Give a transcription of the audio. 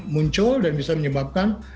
muncul dan bisa menyebabkan